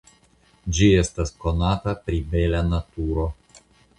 Ĝi estas konata pri bela naturo.